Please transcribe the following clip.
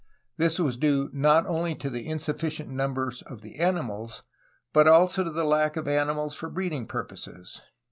This was due not only to the insufficient numbers of the animals, but also to the lack of animals for breeding purposes.